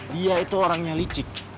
dia itu orangnya licik